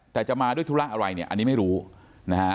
แต่จะมาด้วยธุระอะไรเนี่ยอันนี้ไม่รู้นะฮะ